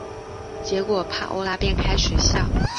结果帕欧拉便开始笑。